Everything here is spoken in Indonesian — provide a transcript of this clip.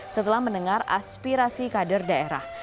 setelah mendengar aspirasi kader daerah